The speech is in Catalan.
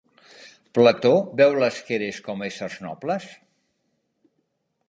Plató veu les Keres com a éssers nobles?